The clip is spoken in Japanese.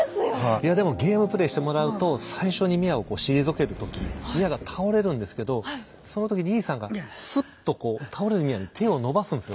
いやでもゲームプレイしてもらうと最初にミアをこう退ける時ミアが倒れるんですけどその時にイーサンがスッとこう倒れるミアに手を伸ばすんですよ。